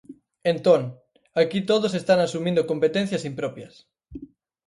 Entón, aquí todos están asumindo competencias impropias.